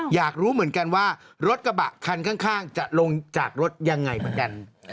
อยากรู้เหมือนกันว่ารถกระบะคันข้างจะลงจากรถยังไงเหมือนกัน